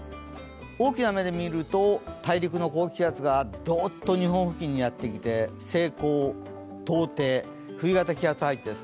大きな目で見ると大陸の高気圧がどっと日本付近にやってきて西高東低、冬型気圧配置です。